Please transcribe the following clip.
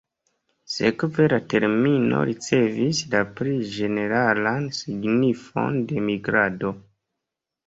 Sekve la termino ricevis la pli ĝeneralan signifon de 'migrado".